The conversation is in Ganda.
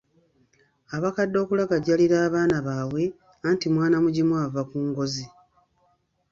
Abakadde okulagajjalira abaana baabwe, anti mwana mugimu ava ku ngozi.